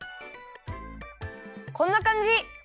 こんなかんじ！